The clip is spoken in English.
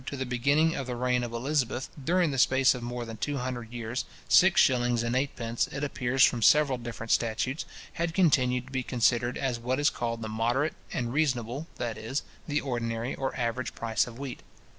to the beginning of the reign of Elizabeth, during the space of more than two hundred years, six shillings and eightpence, it appears from several different statutes, had continued to be considered as what is called the moderate and reasonable, that is, the ordinary or average price of wheat.